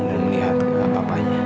dan melihat apa apanya